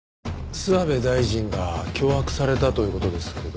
諏訪部大臣が脅迫されたという事ですけど。